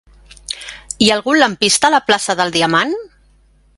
Hi ha algun lampista a la plaça del Diamant?